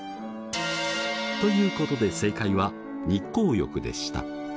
ということで正解は日光浴でした。